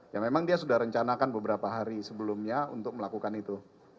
ya memang dia sudah rencanakan beberapa hari sebelumnya untuk melakukan itu